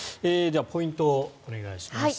ポイントをお願いします。